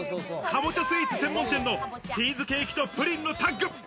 カボチャスイーツ専門店のチーズケーキとプリンのタッグ。